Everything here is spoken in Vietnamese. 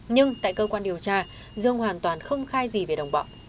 nhưng tại cơ quan điều tra dương hoàn toàn không khai gì về đồng bọn